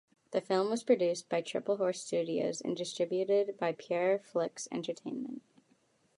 The film was produced by Triple Horse Studios and distributed by Pure Flix Entertainment.